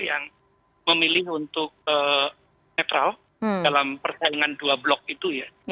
yang memilih untuk netral dalam persaingan dua blok itu ya